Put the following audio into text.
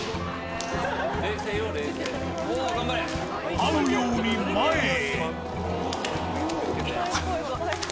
はうように前へ。